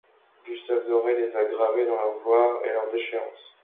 Gustave Doré les a gravées dans leur gloire et leur déchéance.